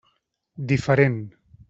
Diferent.